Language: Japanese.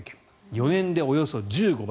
４年でおよそ１５倍。